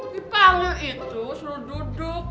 di palu itu suruh duduk